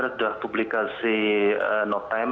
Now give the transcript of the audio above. sudah publikasi not time